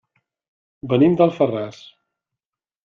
Venim d'Alfarràs.